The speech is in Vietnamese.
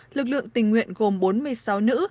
lực lượng tình nguyện gồm bốn mươi sáu nữ